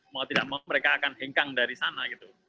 mau tidak mau mereka akan hengkang dari sana gitu